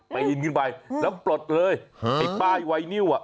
ปีนขึ้นไปแล้วปลดเลยไอ้ป้ายไวนิวอ่ะ